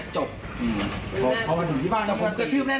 ทำร้ายแล้ว